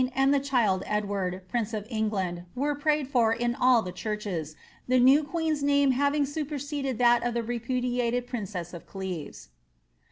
and the child Edward, prince of England, were pimyed for in all the churches, the new queen's name having superseded that of the repodi ated princess of Cleves.